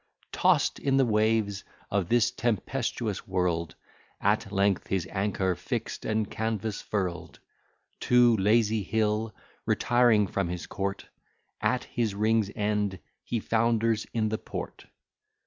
Tost in the waves of this tempestuous world, At length, his anchor fix'd and canvass furl'd, To Lazy hill retiring from his court, At his Ring's end he founders in the port.